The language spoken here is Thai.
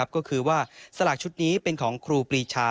ก็คือว่าสลากชุดนี้เป็นของครูปรีชา